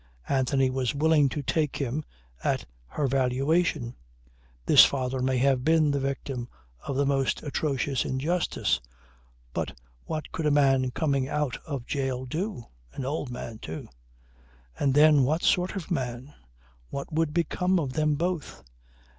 Anthony was willing to take him at her valuation. This father may have been the victim of the most atrocious injustice. But what could a man coming out of jail do? An old man too. And then what sort of man? What would become of them both?